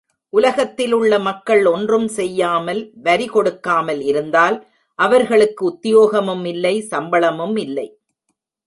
உலகத்திலுள்ள மக்கள் ஒன்றும் செய்யாமல், வரி கொடுக்காமல் இருந்தால், அவர்களுக்கு உத்தியோகமும் இல்லை சம்பளமும் இல்லை.